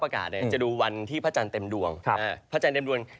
มีความเปลี่ยนแปลงสภาพปรากฌจะดูวันที่พระอาจารย์เต็มดวง